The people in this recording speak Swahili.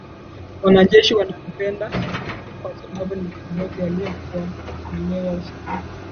Wanajeshi wanampenda kwasababu ni kiongozi aliyekuwa mwelewa sana